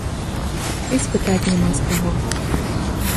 І спытаць няма з каго.